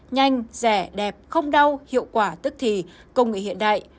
nhanh rẻ đẹp không đau hiệu quả tức thì công nghệ hiện đại